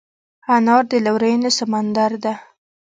انا د لورینې سمندر ده